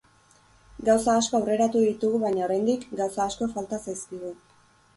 Gauza asko aurreratu ditugu baina oraindik, gauza asko falta zaizkigu.